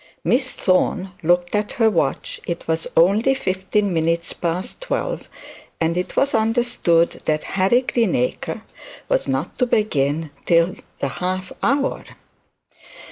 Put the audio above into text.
Miss Thorne looked at her watch. It was only fifteen minutes past twelve, and it was understood that Harry Greenacre was not to begin till the half hour.